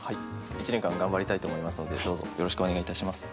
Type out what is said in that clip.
１年間頑張りたいと思いますのでどうぞよろしくお願いいたします。